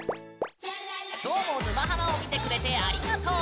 きょうも「沼ハマ」を見てくれてありがとう。